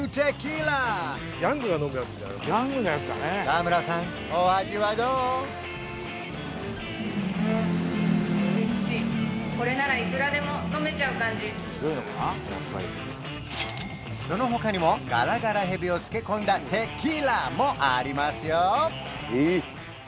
やっぱりその他にもガラガラヘビを漬け込んだテキーラもありますよ！え？